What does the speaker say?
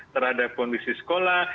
terhadap kondisi sekolah